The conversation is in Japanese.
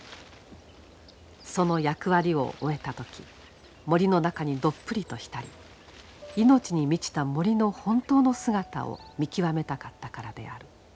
その役割を終えた時森の中にどっぷりとひたり命に満ちた森の本当の姿を見極めたかったからである。